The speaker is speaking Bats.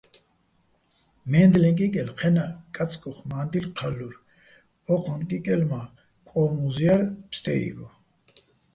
მაჲნდლენ კიკელ ჴენაჸ, კაწკუ́ხ მა́ნდილ ჴალლურ, ო́ჴუჲნ კიკელ მა́ კო́მუზ ჲარ ფსტე́იგო.